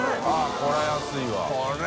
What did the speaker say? これ安い！